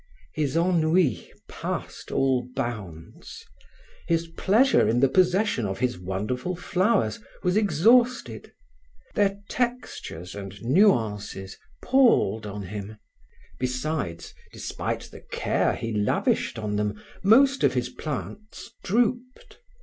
His ennui passed all bounds. His pleasure in the possession of his wonderful flowers was exhausted. Their textures and nuances palled on him. Besides, despite the care he lavished on them, most of his plants drooped.